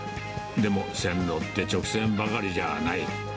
でも、線路って直線ばかりじゃない。